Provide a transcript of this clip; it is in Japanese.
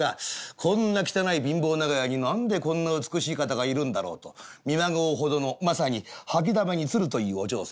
こんな汚い貧乏長屋に何でこんな美しい方がいるんだろうと見まごうほどのまさに「掃きだめに鶴」というお嬢様。